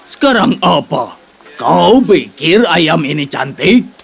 sekarang apa kau pikir ayam ini cantik